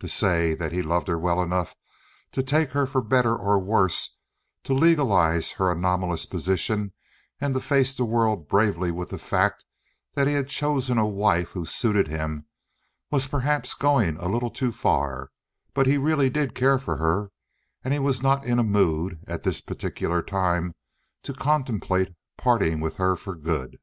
To say that he loved her well enough to take her for better or worse—to legalize her anomalous position and to face the world bravely with the fact that he had chosen a wife who suited him—was perhaps going a little too far, but he did really care for her, and he was not in a mood, at this particular time, to contemplate parting with her for good.